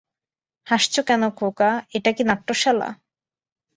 হাসচো কেন খোকা, এটা কি নাট্যশালা?